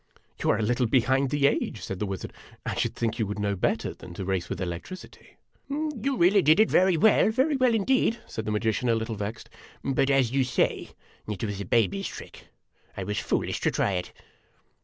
"You are a little behind the age," said the wizard. "I should think you would know better than to race with electricity !"" You really did it very well, very well, indeed," said the magi cian, a little vexed; "but, as you say, it was a baby's trick; I was foolish to try it."